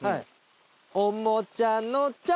「おもちゃのチャ」